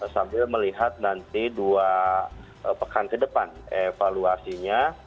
sambil melihat nanti dua pekan ke depan evaluasinya